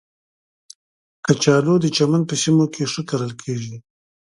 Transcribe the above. کچالو د چمن په سیمو کې ښه کرل کېږي